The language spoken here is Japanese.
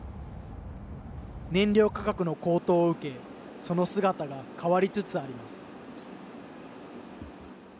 燃料価格の高騰を受けその姿が変わりつつあります。